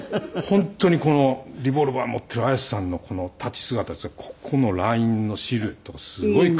本当にこのリボルバー持っている綾瀬さんのこの立ち姿ここのラインのシルエットがすごいかっこいいんですよ。